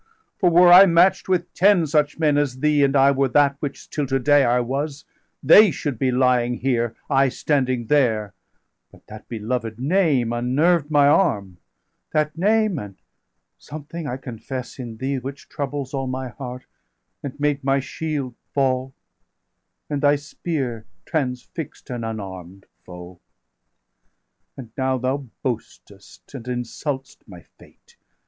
For were I match'd with ten such men as thee, And I were that which till to day I was, 545 They should be lying here, I standing there But that belovéd name unnerved my arm That name, and something, I confess, in thee, Which troubles all my heart, and made my shield Fall; and thy spear transfix'd an unarm'd foe. 550 And now thou boastest, and insult'st my fate.